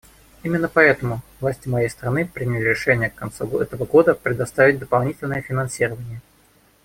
Именно поэтому власти моей страны приняли решение к концу этого года предоставить дополнительное финансирование.